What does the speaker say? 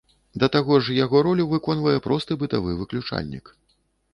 Да таго ж, яго ролю выконвае просты бытавы выключальнік.